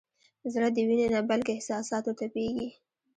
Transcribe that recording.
زړه د وینې نه بلکې احساساتو تپېږي.